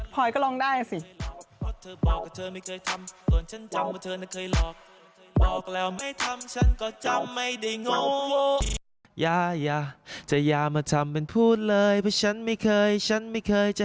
พอยก็ร้องได้สิ